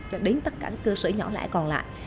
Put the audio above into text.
cho đến tất cả các cơ sở nhỏ lẻ còn lại